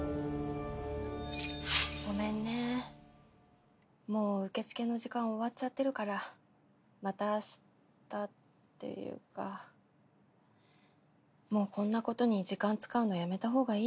ごめんねもう受付の時間終わっちゃってるからまたあしたっていうかもうこんなことに時間使うのやめた方がいいよ。